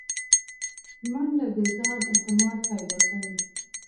منډه د ځان اعتماد پیدا کوي